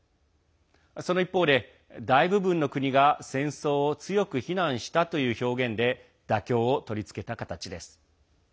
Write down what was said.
その一方で大部分の国が戦争を強く非難したという表現で妥協をとりつけた形です。